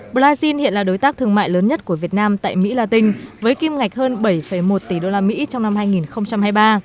brazil hiện là đối tác thương mại lớn nhất của việt nam tại mỹ la tinh với kim ngạch hơn bảy một tỷ usd trong năm hai nghìn hai mươi ba